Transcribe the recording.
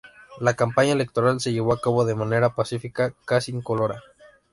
La campaña electoral se llevó a cabo de manera pacífica, casi incolora.